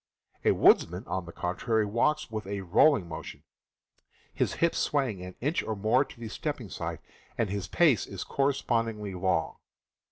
A woodsman, on the contrary, walks with a rolling motion, his hips swaying an inch or more to the stepping side, and his pace is correspondingly long.